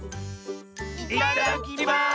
いただきます！